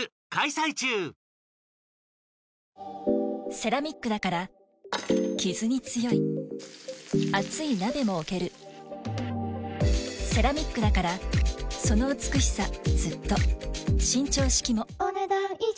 セラミックだからキズに強い熱い鍋も置けるセラミックだからその美しさずっと伸長式もお、ねだん以上。